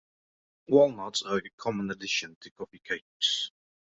Walnuts are a common addition to coffee cakes.